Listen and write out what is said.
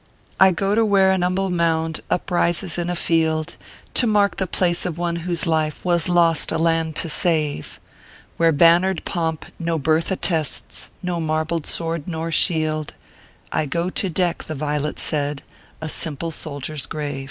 " I go to where an humble mound uprises in a field, To mark the placs of one whose life was lost a land to save ; Where bannered pomp no birth attests, nor marbled sword nor shield ; I go to deck," the Violet said, " a simple soldier s grave."